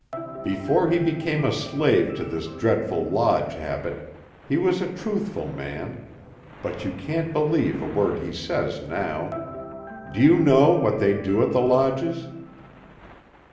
Before he became a slave to this dreadful lodge habit, he was a truthful man, but you can't believe a word he says now. Do you know what they do at the lodges?"